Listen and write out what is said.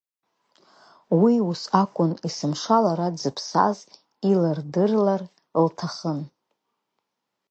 Уи ус акәын, есымша лара дзыԥсаз илырдырлар лҭахын.